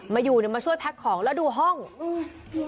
มาอยู่เนี่ยมาช่วยแพ็กของแล้วดูห้องห้องเนี้ยคนจะอยู่ได้ไหม